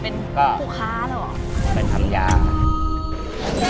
เป็นคุณค้าหรอเป็นทำยาค่ะก็